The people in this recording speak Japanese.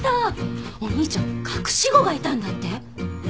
お兄ちゃん隠し子がいたんだって？